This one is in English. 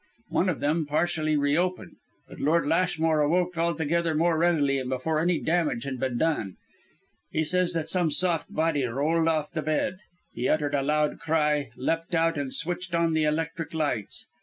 One of them partially reopened, but Lord Lashmore awoke altogether more readily and before any damage had been done. He says that some soft body rolled off the bed. He uttered a loud cry, leapt out and switched on the electric lights.